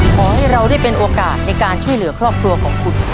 ขอให้เราได้เป็นโอกาสในการช่วยเหลือครอบครัวของคุณ